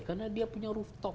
karena dia punya rooftop